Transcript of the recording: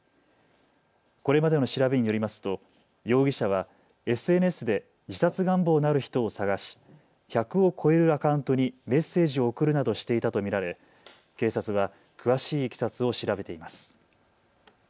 これまでの調べによりますと容疑者はＳＮＳで自殺願望のある人を捜し１００を超えるアカウントにメッセージを送るなどしていたと見られ警察は詳しいいきさつを調べています。